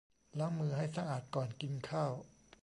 ล้างมือให้สะอาดก่อนกินข้าว